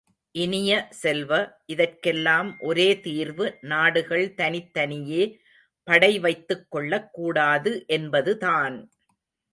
இனிய செல்வ, இதற்கெல்லாம் ஒரே தீர்வு நாடுகள் தனித்தனியே படைவைத்துக் கொள்ளக் கூடாது என்பதுதான்!